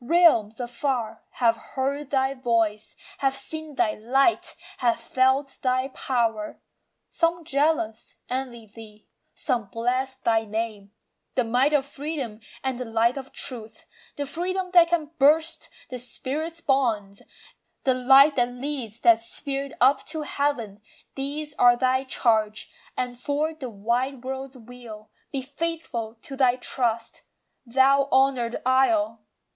Realms afar Have heard thy voice, have seen thy light, have felt thy power. Some, jealous, envy thee; some bless thy name, The might of freedom, and the light of truth, The freedom that can burst the spirit's bonds, The light that leads that spirit up to heaven, These are thy charge, and for the wide world's weal, Be faithful to thy trust, thou honour'd Isle!